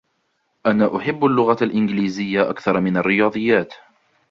أنا أحب اللغة الإنجليزية أكثر من الرياضيات.